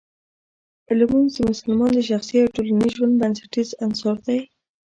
لمونځ د مسلمان د شخصي او ټولنیز ژوند بنسټیز عنصر دی.